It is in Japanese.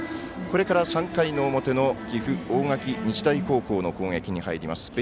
これから３回の表の岐阜、大垣日大高校の攻撃に入ります。